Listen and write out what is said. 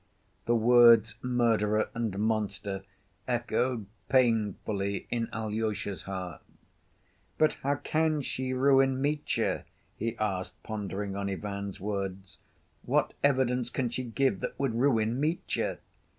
The words "murderer" and "monster" echoed painfully in Alyosha's heart. "But how can she ruin Mitya?" he asked, pondering on Ivan's words. "What evidence can she give that would ruin Mitya?"